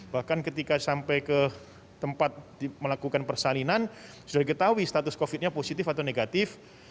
bahkan ketika sampai ke tempat melakukan persalinan sudah diketahui status covid nya positif atau negatif